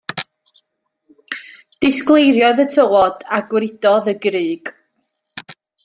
Disgleiriodd y tywod, a gwridodd y grug.